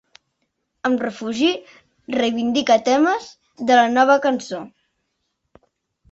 Amb Refugi, reivindica temes de la Nova Cançó.